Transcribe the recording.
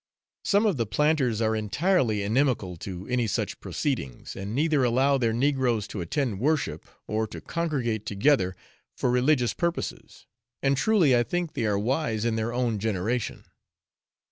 Some of the planters are entirely inimical to any such proceedings, and neither allow their negroes to attend worship, or to congregate together for religious purposes, and truly I think they are wise in their own generation.